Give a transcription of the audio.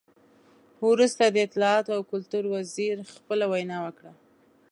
وروسته د اطلاعاتو او کلتور وزیر خپله وینا وکړه.